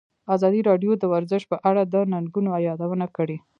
ازادي راډیو د ورزش په اړه د ننګونو یادونه کړې.